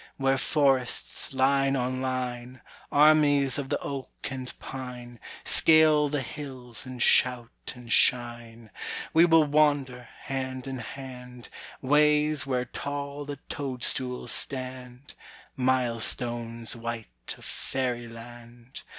where forests, line on line, Armies of the oak and pine, Scale the hills and shout and shine. "We will wander, hand in hand, Ways where tall the toadstools stand, Mile stones white of Fairyland.